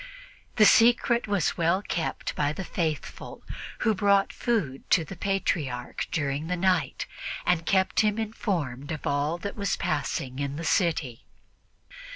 The secret was well kept by the faithful, who brought food to the Patriarch during the night and kept him informed of all that was passing in the city.